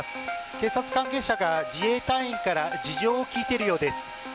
警察関係者が自衛隊員から事情を聴いているようです。